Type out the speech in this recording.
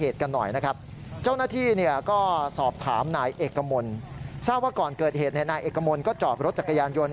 ทราบว่าก่อนเกิดเหตุในนายเอกมนต์ก็จอบรถจักรยานยนต์